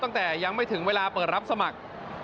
ตั้งแต่ยังไม่ถึงเวลาเปิดรับสมัคร